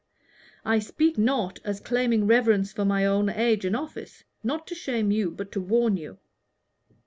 I speak not as claiming reverence for my own age and office not to shame you, but to warn you.